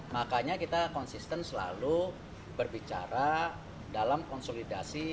makanya kita konsisten selalu berbicara dalam konsolidasi